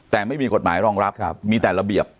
แต่ไม่มีกฎหมายรองรับมีแต่ระเบียบ